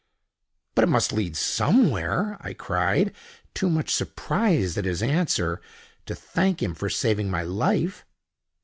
"But it must lead somewhere!" I cried, too much surprised at his answer to thank him for saving my life.